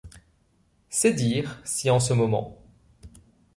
C'est dire si en ce moment.